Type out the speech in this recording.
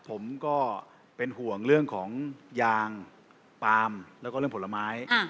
ผมก็เป็นห่วงเรื่องของยางปาล์มแล้วก็เรื่องผลไม้